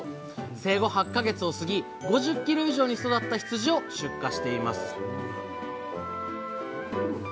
生後８か月を過ぎ５０キロ以上に育った羊を出荷しています